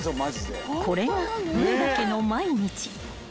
［これが上田家の毎日］